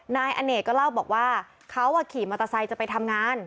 นายอเนกก็เล่าบอกว่าเขาขี่มอเตอร์ไซค์จะไปทำงาน